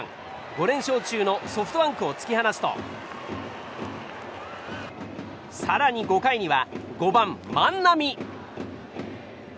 ５連勝中のソフトバンクを突き放すと更に５回には５番、万波。